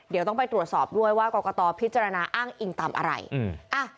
เดี๋ยวต้องไปตรวจสอบด้วยว่ากรกตพิจารณาอ้างอิงตามอะไรอืมอ่ะ